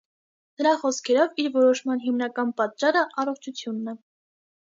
Նրա խոսքերով իր որոշման հիմնական պատճառը առողջությունն է։